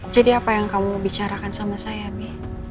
jadi apa yang kamu bicarakan sama saya bi